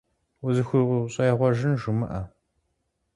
УзыхущӀегъуэжын жумыӀэ.